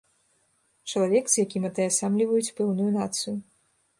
Чалавек, з якім атаясамліваюць пэўную нацыю.